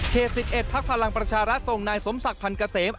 ๑๑พักพลังประชารัฐส่งนายสมศักดิ์พันธ์เกษม